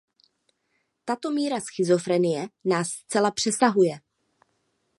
Tato míra schizofrenie nás zcela přesahuje.